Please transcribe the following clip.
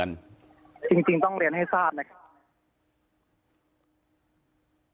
จริงต้องเรียนให้ทราบนะครับ